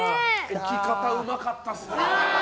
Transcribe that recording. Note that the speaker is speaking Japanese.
置き方うまかったですね。